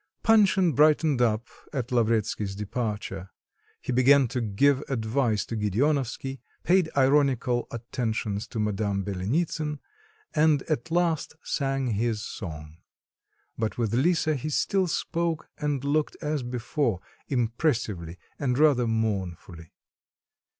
Panshin brightened up at Lavretsky's departure: he began to give advice to Gedeonovsky, paid ironical attentions to Madame Byelenitsin, and at last sang his song. But with Lisa he still spoke and looked as before, impressively and rather mournfully.